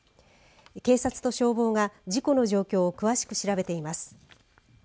警察と消防が事故の状況を詳しく調べています。